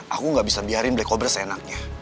aku gak bisa biarin black obr seenaknya